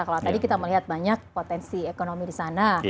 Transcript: kalau tadi kita melihat banyak potensi ekonomi di sana